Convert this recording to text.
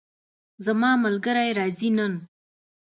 زما ملګری راځي نن